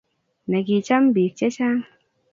Nekicham bik chechang